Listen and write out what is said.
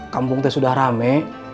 kampung t sudah rame